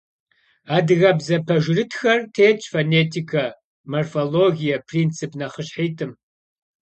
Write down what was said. Адыгэбзэ пэжырытхэр тетщ фонетикэ, морфологие принцип нэхъыщхьитӏым.